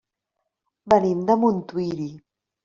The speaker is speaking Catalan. Venim de Montuïri.